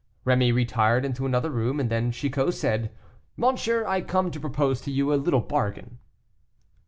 Rémy retired into another room, and then Chicot said, "Monsieur, I come to propose to you a little bargain."